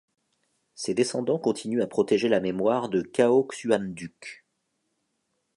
Ses descendants continuent à protéger la mémoire de Cao Xuân Dục.